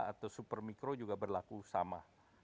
atau super mikro juga berlaku sama